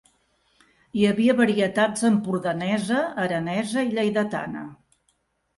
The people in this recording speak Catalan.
Hi havia varietats empordanesa, aranesa i lleidatana.